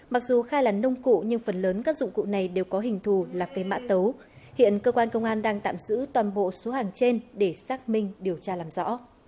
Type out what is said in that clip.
mặc dù khai là nông cụ nhưng phần lớn các dụng cụ này đều có hình thù là cây mã tấu hiện cơ quan công an đang tạm giữ toàn bộ số hàng trên để xác minh điều tra làm rõ